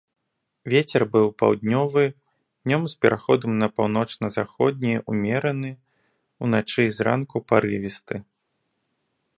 Вецер будзе паўднёвы, днём з пераходам на паўночна-заходні ўмераны, уначы і зранку парывісты.